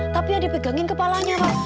tapi ya dipegangin kepalanya pak